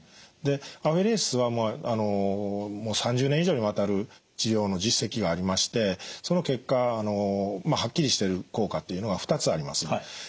でアフェレシスはもう３０年以上にわたる治療の実績がありましてその結果はっきりしている効果っていうのは２つあります。